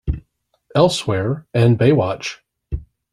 Elsewhere" and "Baywatch".